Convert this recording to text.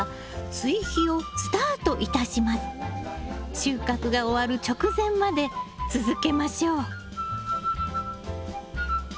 収穫が終わる直前まで続けましょう。